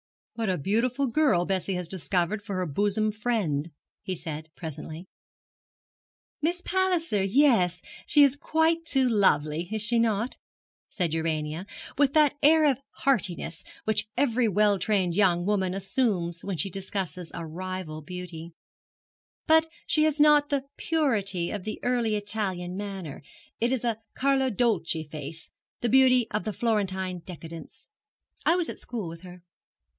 'What a beautiful girl Bessie has discovered for her bosom friend,' he said, presently. 'Miss Palliser: yes, she is quite too lovely, is she not?' said Urania, with that air of heartiness which every well trained young woman assumes when she discusses a rival beauty; 'but she has not the purity of the early Italian manner. It is a Carlo Dolci face the beauty of the Florentine decadence. I was at school with her.'